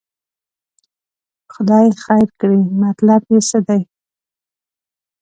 خدای خیر کړي، مطلب یې څه دی.